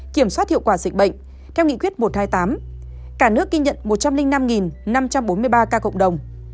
kiểm soát hiệu quả dịch bệnh theo nghị quyết một trăm hai mươi tám cả nước ghi nhận một trăm linh năm năm trăm bốn mươi ba ca cộng đồng